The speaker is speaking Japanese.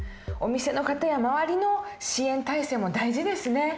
お店の方や周りの支援体制も大事ですね。